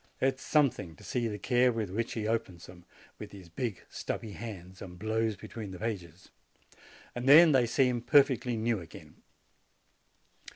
It is something to see the care with which he opens them, with his big, stubby hands, and blows be tween the pages : then they seem perfectly new again.